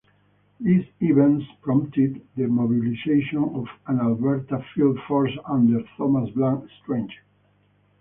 These events prompted the mobilization of an Alberta field force under Thomas Bland Strange.